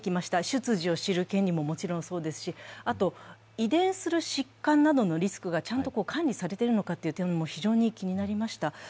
出自を知る権利も持ちそうですし、あと遺伝する疾患などのリスクがちゃんと管理されている点も非常に気になりました。